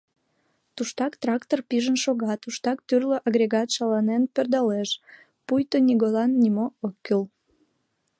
Туштак трактор пижын шога, туштак тӱрлӧ агрегат шаланен пӧрдалеш, пуйто нигӧлан нимо ок кӱл.